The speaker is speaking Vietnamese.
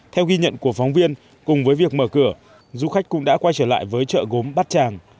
theo ghi nhận của phóng viên cùng với việc mở cửa du khách cũng đã quay trở lại với chợ gốm bát tràng